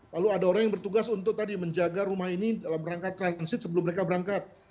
lalu ada orang yang bertugas untuk tadi menjaga rumah ini dalam rangka transit sebelum mereka berangkat